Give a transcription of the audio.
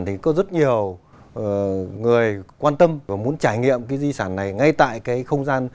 thì có rất nhiều người quan tâm và muốn trải nghiệm di sản này ngay tại không gian